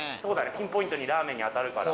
ピンポイントにラーメンに当たるから。